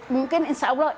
mungkin insya allah